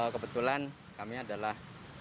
kebetulan kami adalah